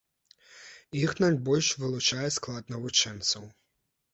Іх найбольш вылучае склад навучэнцаў.